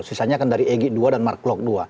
sisanya kan dari eg dua dan mark klok dua